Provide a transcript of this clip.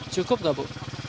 cukup gak bu